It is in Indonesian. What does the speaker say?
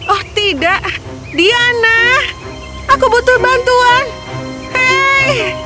oh tidak diana aku butuh bantuan hai